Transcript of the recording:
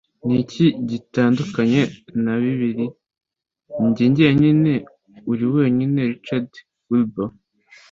ni iki gitandukanye na bibiri? njye njyenyine, uri wenyine - richard wilbur